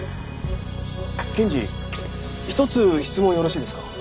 検事一つ質問よろしいですか？